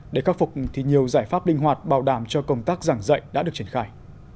để khắc phục thì nhiều giải pháp linh hoạt bảo đảm cho công tác giảng dạy đã được triển khai